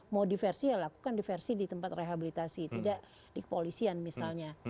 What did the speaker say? mau diversi ya lakukan diversi di tempat rehabilitasi tidak di kepolisian misalnya